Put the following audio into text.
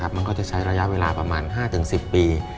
มันก็จะใช้ระยะเวลาประมาณ๕๑๐ปี